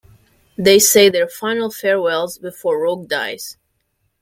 They say their final farewells before Rogue dies.